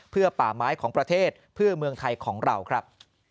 เพื่อป่าไม้ของประเทศเพื่อเมืองไทยของเราครับ